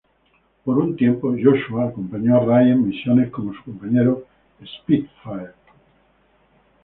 Por un tiempo Joshua acompañó a Ray en misiones como su compañero "Spitfire".